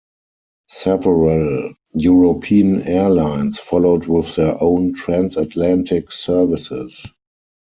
Several European airlines followed with their own transatlantic services.